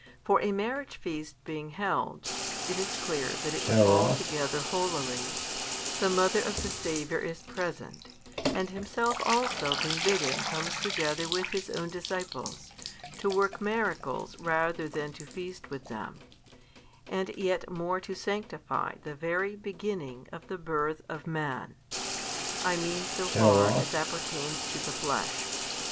For a marriage feast being held (it is clear that it was altogether holily), the mother of the Saviour is present, and Himself also being bidden comes together with His own disciples, to work miracles rather than to feast with them, and yet more to sanctify the very beginning of the birth of man: I mean so far as appertains to the flesh.